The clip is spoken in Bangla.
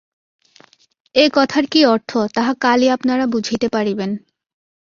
এ কথার কী অর্থ, তাহা কালই আপনারা বুঝিতে পারিবেন।